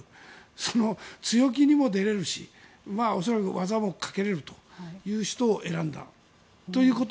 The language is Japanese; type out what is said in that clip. その強気にも出れるし恐らく技もかけれるという人を選んだということ。